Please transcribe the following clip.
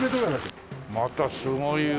またすごい。